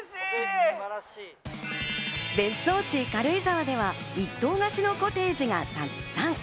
別荘地・軽井沢では１棟貸しのコテージがたくさん。